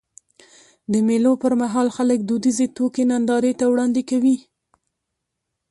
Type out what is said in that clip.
د مېلو پر مهال خلک دودیزي توکي نندارې ته وړاندي کوي.